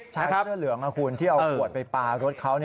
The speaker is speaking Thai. เสื้อเหลืองนะคุณที่เอาขวดไปปลารถเขา